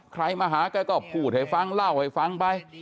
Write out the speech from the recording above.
ใครมาหาแกก็พูดให้ฟังเล่าให้ฟังไป